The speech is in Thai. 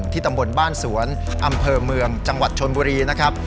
ตำบลบ้านสวนอำเภอเมืองจังหวัดชนบุรีนะครับ